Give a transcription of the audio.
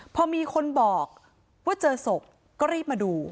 พอมีคนบอกว่าเจอศพก็รีบมาดู